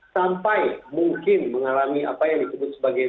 sampai mungkin mengalami apa yang disebut sebagai